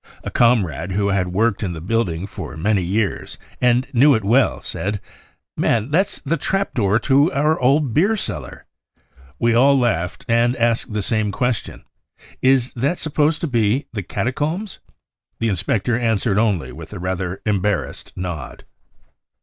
A comrade who had worked in the building for many years and knew it well said :£ Man, thatfe the trap door to our old beer cellar 1 5 We all laughed. r THE REAL INCENDIARIES j ^ and asked the satne question : 4 Is that supposed to 1 be the ££ catacombs "? 5 The inspector answered only I with a rather embarrassed nod.